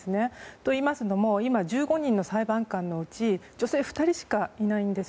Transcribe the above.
といいますのも今１５人の裁判官のうち女性は２人しかいないんです。